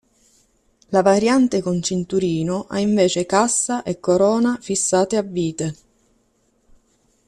La variante con cinturino ha invece cassa e corona fissate a vite.